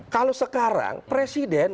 kalau sekarang presiden